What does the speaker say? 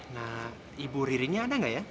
nah ibu ririnya ada nggak ya